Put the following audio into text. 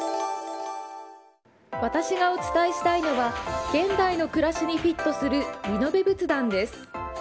私がお伝えしたいのは現代の暮らしにフィットするリノベ仏壇です。